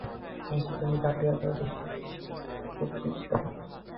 আচ্ছা, তুমি কাটিয়া দাও দেখি, তোমার কিরূপ বিদ্যা।